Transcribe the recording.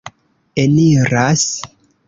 eniras